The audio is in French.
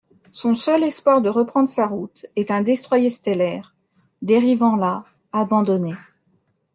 Son seul espoir de reprendre sa route est un destroyer stellaire, dérivant là, abandonnée.